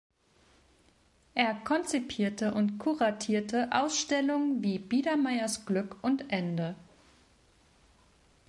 Er konzipierte und kuratierte Ausstellungen wie "Biedermeiers Glück und Ende.